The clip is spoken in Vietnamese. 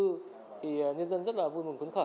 thì nhân dân rất là vui mừng phấn khởi